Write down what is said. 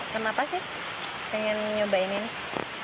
kenapa sih pengen nyobain ini